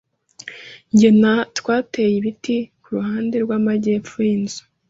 Jye na twateye ibiti kuruhande rwamajyepfo yinzu.